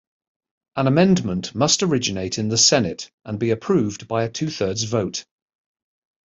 An amendment must originate in the Senate and be approved by a two-thirds vote.